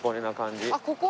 あっここ？